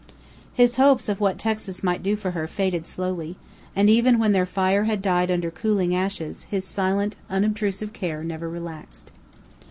His hopes of what Texas might do for her faded slowly; and even when their fire had died under cooling ashes, his silent, unobtrusive care never relaxed.